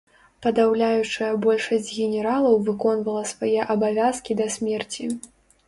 Падаўляючая большасць генералаў выконвала свае абавязкі да смерці.